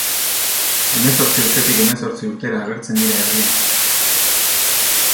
Hemezortzi urtetik hemezortzi urtera agertzen dira herrian.